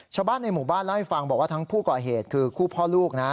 ชาวบ้านในหมู่บ้านเล่าให้ฟังบอกว่าทั้งผู้ก่อเหตุคือคู่พ่อลูกนะ